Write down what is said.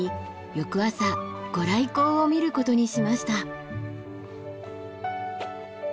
翌朝御来光を見ることにしました。